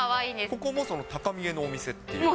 ここも高見えのお店っていう。